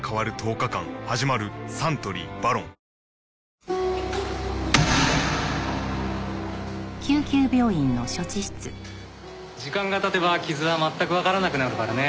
サントリー「ＶＡＲＯＮ」時間が経てば傷は全くわからなくなるからね。